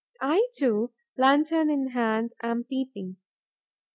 I too, lantern in hand, am peeping.